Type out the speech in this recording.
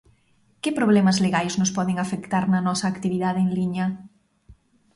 Que problemas legais nos poden afectar na nosa actividade en liña?